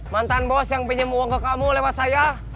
mantan bos yang pinjam uang ke kamu lewat saya